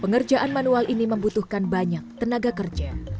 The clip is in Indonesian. pengerjaan manual ini membutuhkan banyak tenaga kerja